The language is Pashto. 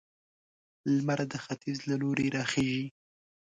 لمر د ختيځ له لوري راخيژي